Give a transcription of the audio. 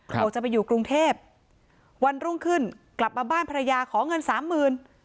บอกจะไปอยู่กรุงเทพวันรุ่งขึ้นกลับมาบ้านภรรยาขอเงินสามหมื่น